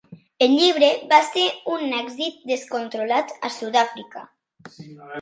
El llibre va ser un èxit descontrolat a Sud-àfrica.